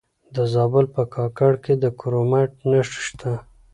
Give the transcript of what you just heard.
د زابل په کاکړ کې د کرومایټ نښې شته.